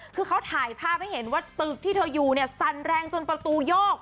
คือเขาถ่ายภาพให้เห็นว่าตึกที่เธออยู่เนี่ยสั่นแรงจนประตูโยก